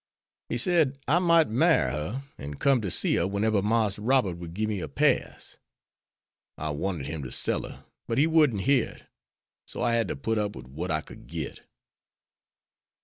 He said, I mought marry her an' come to see her wheneber Marse Robert would gib me a pass. I wanted him to sell her, but he wouldn't hear to it, so I had to put up wid what I could git.